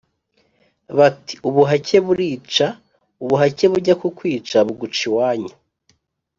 bati ubuhake burica; ubuhake bujya kukwica buguca iwanyu;